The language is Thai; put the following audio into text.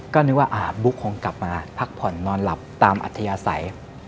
ก็นึกว่าบุ๊กคงกลับมาพักผ่อนนอนหลับตามอัธยาศัย